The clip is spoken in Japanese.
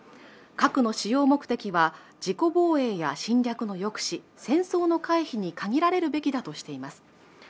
核の使用目的は自己防衛や侵略の抑止戦争の回避に限られるべきだとしています